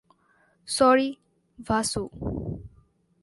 Sorry, Bhasu.